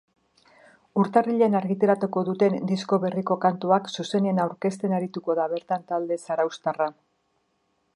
Urtarrilean argitaratuko duten disko berriko kantuak zuzenean aurkezten arituko da bertan talde zarauztarra.